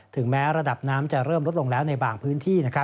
แม้ระดับน้ำจะเริ่มลดลงแล้วในบางพื้นที่